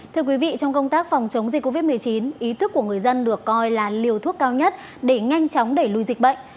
thưa quý vị trong công tác phòng chống dịch covid một mươi chín ý thức của người dân được coi là liều thuốc cao nhất để nhanh chóng đẩy lùi dịch bệnh